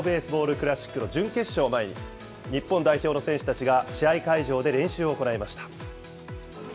クラシックの準決勝を前に、日本代表の選手たちが試合会場で練習を行いました。